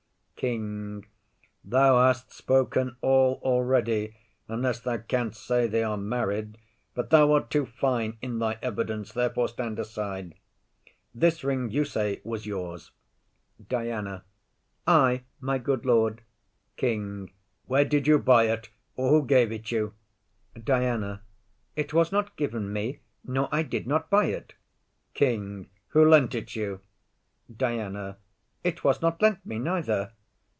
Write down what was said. KING. Thou hast spoken all already, unless thou canst say they are married; but thou art too fine in thy evidence; therefore stand aside. This ring, you say, was yours? DIANA. Ay, my good lord. KING. Where did you buy it? Or who gave it you? DIANA. It was not given me, nor I did not buy it. KING. Who lent it you? DIANA. It was not lent me neither.